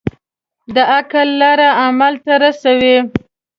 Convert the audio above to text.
د عقل لار علم ته رسوي.